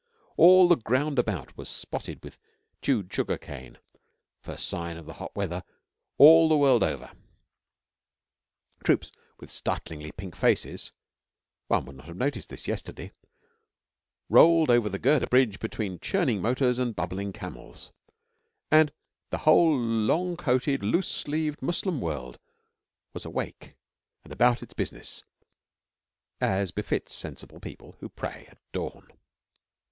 All the ground about was spotted with chewed sugarcane first sign of the hot weather all the world over. Troops with startlingly pink faces (one would not have noticed this yesterday) rolled over the girder bridge between churning motors and bubbling camels, and the whole long coated loose sleeved Moslem world was awake and about its business, as befits sensible people who pray at dawn.